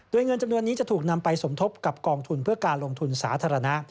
โดยเงินจำนวนนี้จะถูกนำไปสมทบกับกองทุนเพื่อการลงทุนสาธารณะ